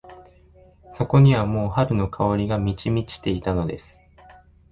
そこにはもう春の香りが満ち満ちていたのです。